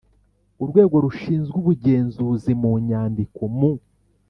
Urwego rushinzwe ubugenzuzi mu nyandiko mu